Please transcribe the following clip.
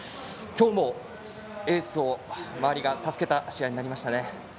今日もエースを周りが助けた試合になりましたね。